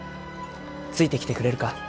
ついてきてくれるか。